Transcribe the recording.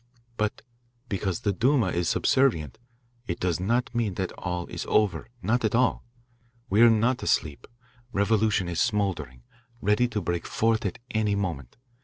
"But because the Duma is subservient, it does not mean that all is over. Not at all. We are not asleep. Revolution is smouldering, ready to break forth at any moment.